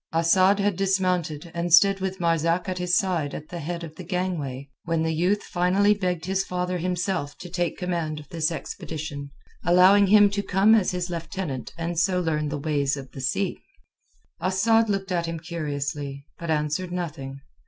Asad had dismounted, and stood with Marzak at his side at the head of the gangway when the youth finally begged his father himself to take command of this expedition, allowing him to come as his lieutenant and so learn the ways of the sea. Asad looked at him curiously, but answered nothing.